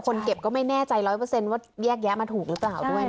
เก็บก็ไม่แน่ใจ๑๐๐ว่าแยกแยะมาถูกหรือเปล่าด้วย